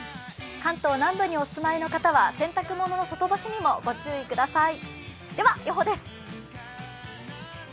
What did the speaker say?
関東南部にお住まいの方は洗濯物の外干しにもご注意ください。